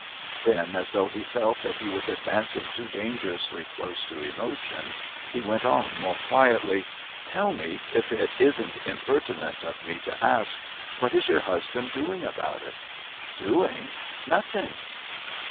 Then, as though he felt that he was advancing too dangerously close to emotion, he went on more quietly: "Tell me if it isn't impertinent of me to ask what is your husband doing about it?" "Doing? Nothing."